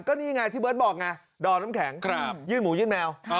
ก็นี่ไงที่เบิร์ตบอกไงดอมน้ำแข็งยื่นหมูยื่นแมว